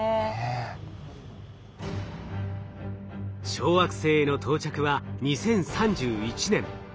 小惑星への到着は２０３１年。